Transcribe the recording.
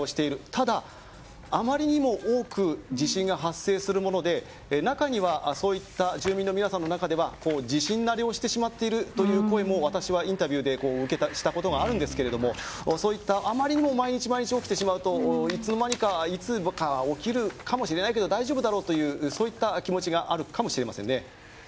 ただ、あまりにも多く地震が発生するもので住民の皆さんの中では地震慣れをしてしまっているという声も私はインタビューをしたことがあるんですけどそういった余りにも毎日毎日起きてしまうといつの間にか、いつか起きるかもしれないけど大丈夫だろうというそういった気持ちがあるかもしれません。